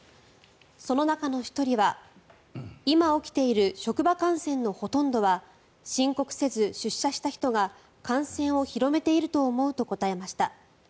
その中の１人は、今起きている職場感染のほとんどは申告せず出社した人が感染を広めていると思うと答えました。